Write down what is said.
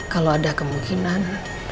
kalau ada kemungkinan